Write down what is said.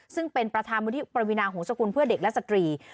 ซึ่งเป็นประธานวุฒิปวินาหงษกุลเพื่อเด็กและสตรี